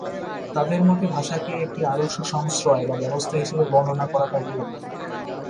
তাদের মতে ভাষাকে একটি আদর্শ সংশ্রয় বা ব্যবস্থা হিসেবে বর্ণনা করাটা ভুল।